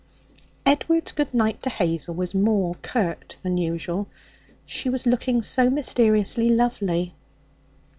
Edward's good night to Hazel was more curt than usual. She was looking so mysteriously lovely.